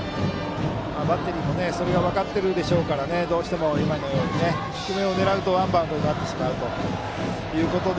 バッテリーもそれが分かっているでしょうからどうしても、今のように低めを狙うとワンバウンドになってしまうということで。